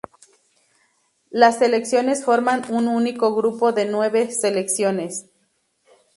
Las selecciones forman un único grupo de nueves selecciones.